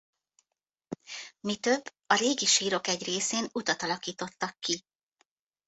Mi több a régi sírok egy részén utat alakítottak ki.